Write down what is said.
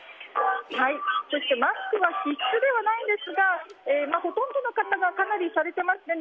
そしてマスクは必須ではないんですがほとんどの方かなりされていますね。